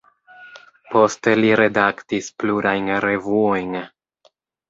Poste li redaktis plurajn revuojn.